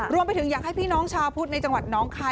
อยากให้พี่น้องชาวพุทธในจังหวัดน้องคาย